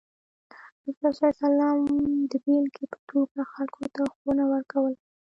رسول الله صلى الله عليه وسلم د بیلګې په توګه خلکو ته ښوونه ورکوله.